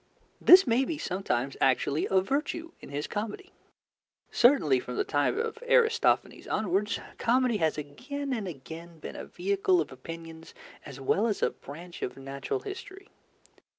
This may be sometimes actually a virtue in his comedy. Certainly, from the time of Aristophanes onwards, comedy has again and again been a vehicle of opinions as well as a branch of natural history.